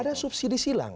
ada subsidi silang